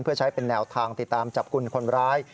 เพื่อใช้เป็นแนวทางติดตามจับกลุ่มคนร้าย